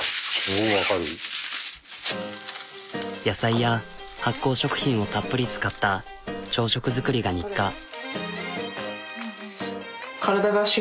野菜や発酵食品をたっぷり使った朝食作りが日課。